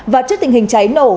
và trước tình hình trái nổ